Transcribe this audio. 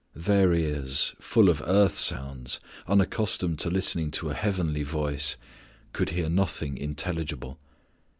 Their ears, full of earth sounds, unaccustomed to listening to a heavenly voice, could hear nothing intelligible.